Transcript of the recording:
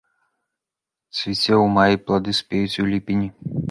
Цвіце ў маі, плады спеюць у ліпені.